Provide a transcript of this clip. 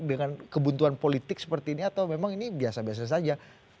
dengan kebuntuan politik seperti ini atau memang ini biasa biasa saja